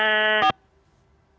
nah kalau kaitannya dengan paramiliter